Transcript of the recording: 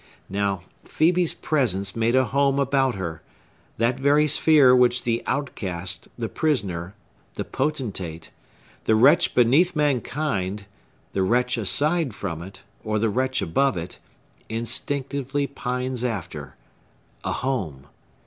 Now, Phœbe's presence made a home about her,—that very sphere which the outcast, the prisoner, the potentate,—the wretch beneath mankind, the wretch aside from it, or the wretch above it,—instinctively pines after,—a home!